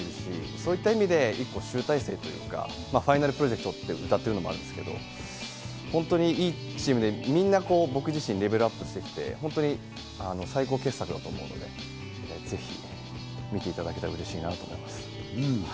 そういった意味で集大成というか、ファイナル・プロジェクトとうたっているのもあるんですけど、本当に良いチームで、みんな、僕自身もレベルアップしていて、最高傑作だと思うので、ぜひ見ていただけたら嬉しいなと思います。